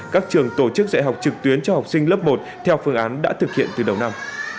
các trường tổ chức dạy học trực tuyến cho học sinh lớp một theo phương án đã thực hiện từ đầu năm